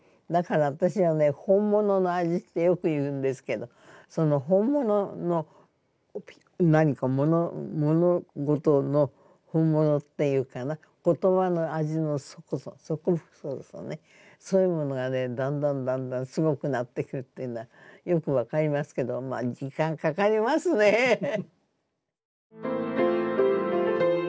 だから私はね本物の味ってよく言うんですけどその本物の何か物事の本物っていうかなことばの味のすごさそういうものがねだんだんだんだんすごくなってくるっていうのはよく分かりますけどまあ時間かかりますねえ。